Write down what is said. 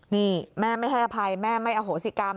นี่แม่ไม่ให้อภัยแม่ไม่อโหสิกรรม